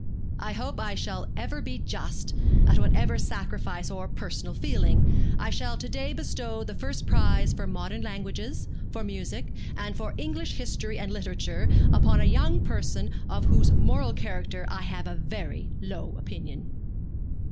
'I hope I shall ever be just, at whatever sacrifice of personal feeling. I shall to day bestow the first prize for modern languages, for music, and for English history and literature, upon a young person of whose moral character I have a very low opinion.'